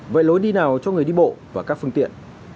vậy lối đi nào cho người đi bộ và các phương tiện